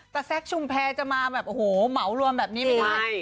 แต่แซคชุมแพรจะมาแบบโอ้โหเหมารวมแบบนี้ไม่ได้